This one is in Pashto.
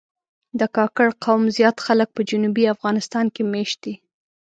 د کاکړ قوم زیات خلک په جنوبي افغانستان کې مېشت دي.